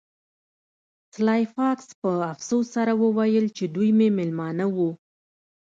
سلای فاکس په افسوس سره وویل چې دوی مې میلمانه وو